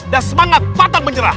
dan semangat batang menyerah